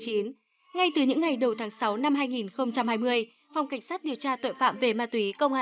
hãy dừng lại trước khi quá muộn